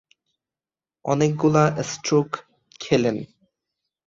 অনেকগুলো স্ট্রোক খেলেন।